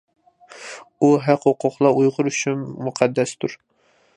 بۇ ھەق-ھوقۇقلار ئۇيغۇر ئۈچۈن مۇقەددەستۇر.